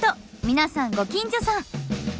皆さんご近所さん！